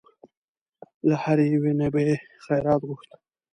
له هرې یوې نه به یې خیرات غوښت.